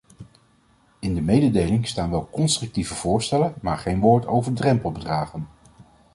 In de mededeling staan wel constructieve voorstellen, maar geen woord over drempelbedragen.